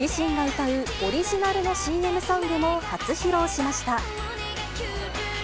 自身が歌うオリジナルのＣＭソングも初披露しました。